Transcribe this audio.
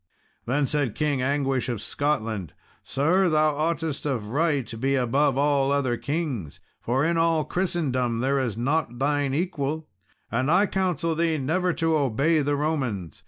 Then said King Anguish of Scotland, "Sir, thou oughtest of right to be above all other kings, for in all Christendom is there not thine equal; and I counsel thee never to obey the Romans.